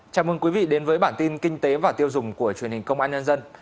chào mừng quý vị đến với bản tin kinh tế và tiêu dùng của truyền hình công an nhân dân